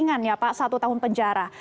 yang meringan ya pak satu tahun penjara